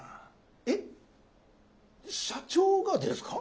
えっ？社長がですか？